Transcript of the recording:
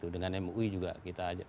dengan mui juga kita ajak